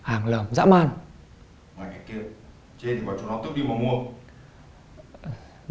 anh xin em